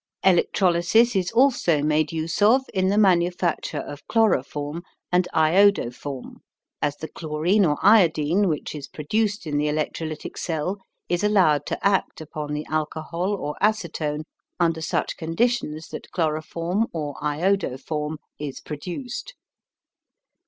Electrolysis is also made use of in the manufacture of chloroform and iodoform, as the chlorine or iodine which is produced in the electrolytic cell is allowed to act upon the alcohol or acetone under such conditions that chloroform or iodoform is produced.